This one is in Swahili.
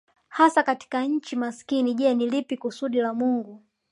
hasa katika nchi masikini Je ni lipi kusudi la Mungu